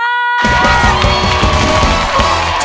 โดยการแข่งขาวของทีมเด็กเสียงดีจำนวนสองทีม